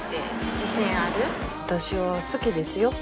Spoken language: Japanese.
私は好きですよ。